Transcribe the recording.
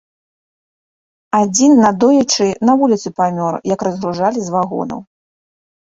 Адзін надоечы на вуліцы памёр, як разгружалі з вагонаў.